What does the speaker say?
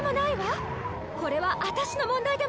これはあたしの問題でもあるのよ。